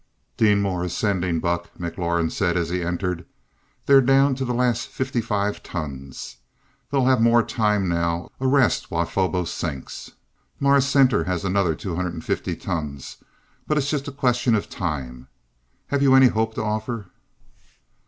"Deenmor is sending, Buck," McLaurin said as he entered. "They're down to the last fifty five tons. They'll have more time now a rest while Phobos sinks. Mars Center has another 250 tons, but it's just a question of time. Have you any hope to offer?"